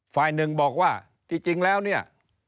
ฝ่ายหนึ่งบอกว่าที่จริงแล้วเนี่ย